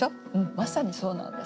まさにそうなんです。